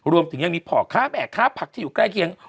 รวมถึงยังมีพ่อค้าแม่ค้าผักที่อยู่ใกล้เคียง